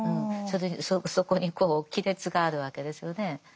そこにこう亀裂があるわけですよね。